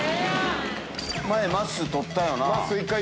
前まっすー取ったよな。